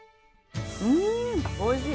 うんおいしい。